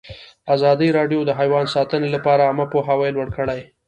ازادي راډیو د حیوان ساتنه لپاره عامه پوهاوي لوړ کړی.